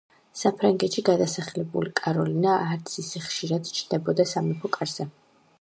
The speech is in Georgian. საფრანგეთში გადასახლებული კაროლინა არც ისე ხშირად ჩნდებოდა სამეფო კარზე.